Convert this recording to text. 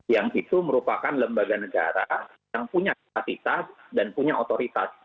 yang itu merupakan lembaga negara yang punya kapasitas dan punya otoritas